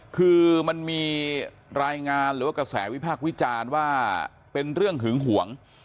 คือมันมีรายงานหรือว่ากระแสวิพากษ์วิจารณ์ว่าเป็นเรื่องหึงหวง